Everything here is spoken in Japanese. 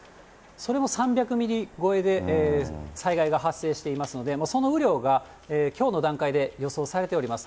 それも３００ミリ超えで災害が発生していますので、その雨量がきょうの段階で予想されております。